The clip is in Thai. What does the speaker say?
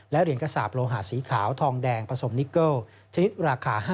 และเหรียญกระสาปโลหะสีขาวทองแดงผสมนิเกิล